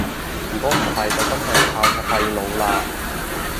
如果唔係就真係靠晒廢老喇